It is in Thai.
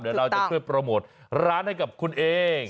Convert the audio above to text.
เดี๋ยวเราจะช่วยโปรโมทร้านให้กับคุณเอง